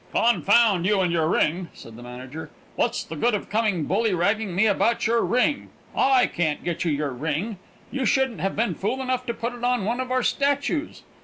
"Confound you and your ring!" said the manager. "What's the good of coming bully ragging me about your ring? I can't get you your ring! You shouldn't have been fool enough to put it on one of our statues.